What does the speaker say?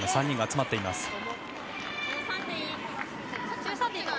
３人が集まっています。